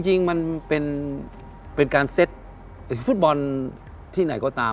จริงมันเป็นการเซ็ตฟุตบอลที่ไหนก็ตาม